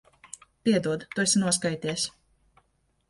Piedod. Tu esi noskaities.